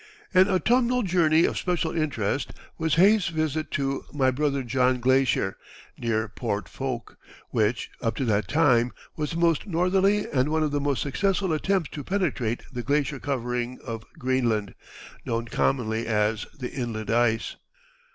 An autumnal journey of special interest was Hayes's visit to "My Brother John Glacier," near Port Foulke, which, up to that time, was the most northerly and one of the most successful attempts to penetrate the glacier covering of Greenland, known commonly as the "Inland Ice."